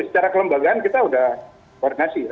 secara kelembagaan kita sudah koordinasi ya